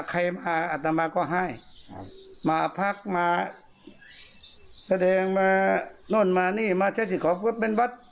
ใครมาอัตมาก็ให้มาพักมาแสดงมาโน่นมานี่มาใช้สิทธิ์ของพุทธเป็นวัด